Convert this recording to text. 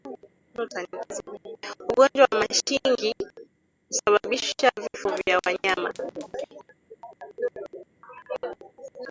Ugonjwa wa mashingi husababisha vifo kwa wanyama